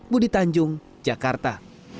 budi tanjung jakarta